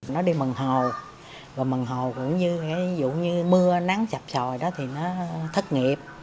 nó đi mừng hồ và mừng hồ cũng như mưa nắng chạp tròi thì nó thất nghiệp